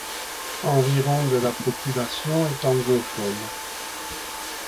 Environ de la population est anglophone.